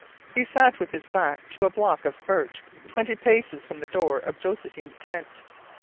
He sat with his back to a block of birch twenty paces from the door of Josephine's tent.